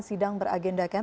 sidang beragenda kem